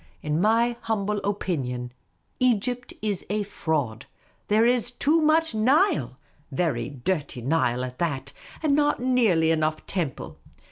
In my humble opinion, Egypt is a fraud ; there is too much Nile — very dirty Nile at that — and not nearly enough temple.